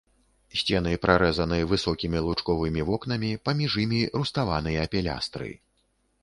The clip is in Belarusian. Сцены прарэзаны высокімі лучковымі вокнамі, паміж імі руставаныя пілястры.